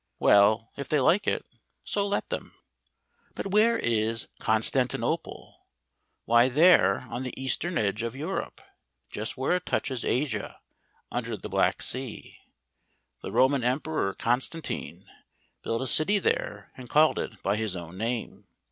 Well, if they like it, so let them. But where is Constantinople ? why there, on the eastern edge of Europe, just where it touches Asia, under the Black Sea. The Roman empe¬ ror Constantine built a city there, and called it by his own name.